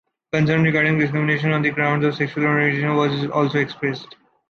Concern regarding discrimination on the grounds of sexual orientation was also expressed.